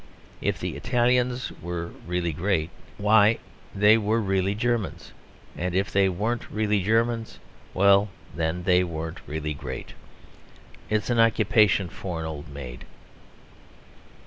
If the Italians were really great, why they were really Germans; and if they weren't really Germans, well then, they weren't really great. It is an occupation for an old maid.